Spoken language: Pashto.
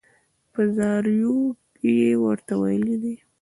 په زاریو یې ورته ویلي دي.